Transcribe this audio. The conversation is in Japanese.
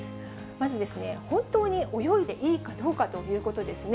まず、本当に泳いでいいかということですね。